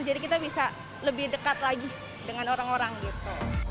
jadi kita bisa lebih dekat lagi dengan orang orang gitu